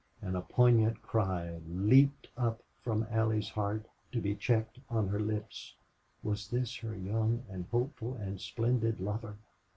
And a poignant cry leaped up from Allie's heart to be checked on her lips. Was this her young and hopeful and splendid lover?